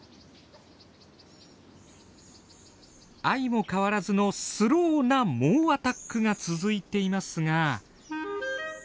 相も変わらずのスローな猛アタックが続いていますが。